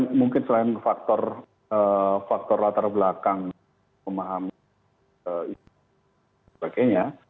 nah mungkin karena selain faktor latar belakang pemahaman itu dan sebagainya